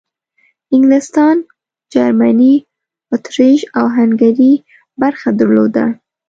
انګلستان، جرمني، اطریش او هنګري برخه درلوده.